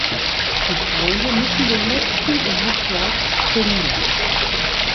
Die Freunde müssen den letzten in Hogwarts finden.